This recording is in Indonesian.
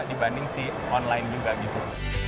dibanding si online juga gitu